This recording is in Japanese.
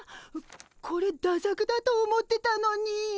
これ駄作だと思ってたのに。